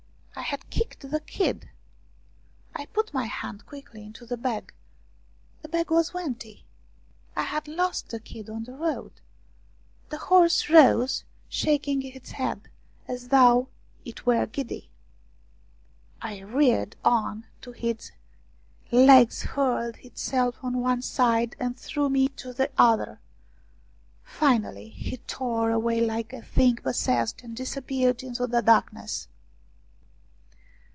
I had kicked the kid ! I put my hand quickly into the bag ; the bag was empty. I had lost the kid on the road ! The horse rose shaking its head as though it were giddy. It reared on to its hind legs, hurled itself on one side, and threw me to the other ; finally he tore away like a thing possessed and disappeared into the darkness.